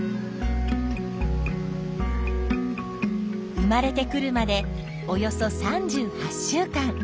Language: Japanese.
生まれてくるまでおよそ３８週間。